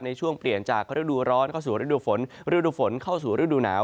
ในช่วงเปลี่ยนจากฤดูร้อนเข้าสู่ฤดูฝนฤดูฝนเข้าสู่ฤดูหนาว